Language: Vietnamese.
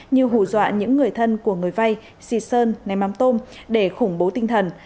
như hủ dọa những người thân của người vay xịt sơn ném ám tôm để khủng bố tinh thần